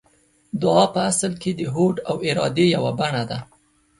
دعا په اصل کې د هوډ او ارادې يوه بڼه ده.